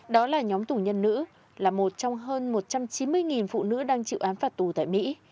đó là nhóm tù nhân nữ là một trong hơn một trăm chín mươi phụ nữ đang chịu án phạt tù tại mỹ